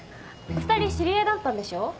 ２人知り合いだったんでしょ？